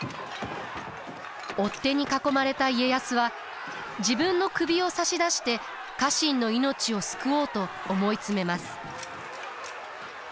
追っ手に囲まれた家康は自分の首を差し出して家臣の命を救おうと思い詰めます。